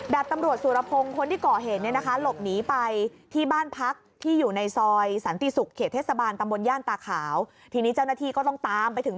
ดาบตำรวจสุรพงษ์คนที่ก่อเหตุนี้ลบหนีไป